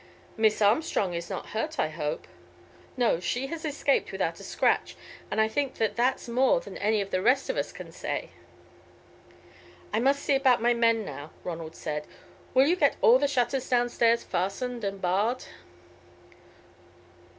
"Miss Armstrong is not hurt, I hope?" "No, she has escaped without a scratch, and I think that that's more than any of the rest of us can say." "I must see about my men now," Ronald said; "will you get all the shutters downstairs fastened and barred?"